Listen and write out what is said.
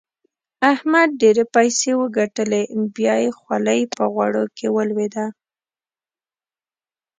احمد ډېرې پيسې وګټلې؛ بيا يې خولۍ په غوړو کې ولوېده.